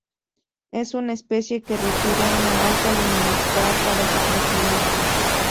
Es una especie que requiere una alta luminosidad para su crecimiento.